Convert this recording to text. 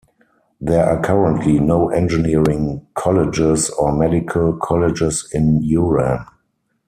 There are currently no engineering colleges or medical colleges in Uran.